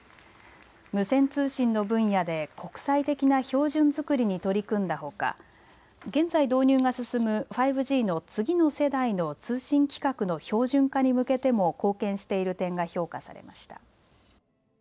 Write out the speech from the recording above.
無線通信の分野で国際的な標準づくりに取り組んだほか現在、導入が進む５Ｇの次の世代の通信規格の標準化に向けても貢献している点が評価されました。